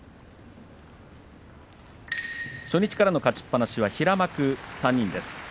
初日からの勝ちっぱなしは平幕３人です。